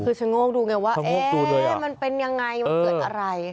คือชะโงกดูไงว่ามันเป็นยังไงมันเกิดอะไร